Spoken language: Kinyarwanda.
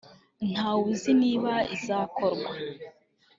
ntawe uzi niba izakorwa